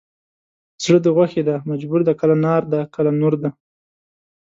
زړه د غوښې دی مجبور دی کله نار دی کله نور دی